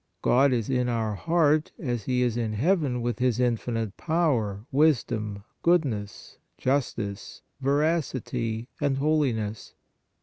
God is in our heart as He is in heaven with His infinite power, wisdom, goodness, justice, verac ity and holiness.